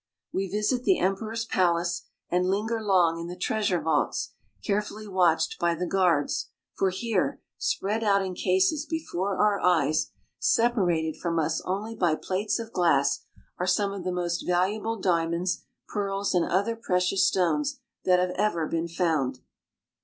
We visit the emperor's palace, and linger long in the treasure vaults, carefully watched by the guards ; for here, spread out in cases before our eyes, separated from us only by plates of glass, are some of the most valuable diamonds, pearls, and other precious stones that have ever been found.